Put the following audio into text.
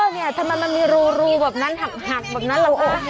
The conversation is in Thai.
สไลเดอร์เนี่ยทำไมมันมีรูแบบนั้นหักแบบนั้นล่ะค่ะ